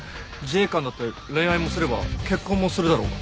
自衛官だって恋愛もすれば結婚もするだろうが。